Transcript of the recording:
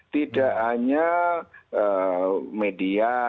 tidak hanya media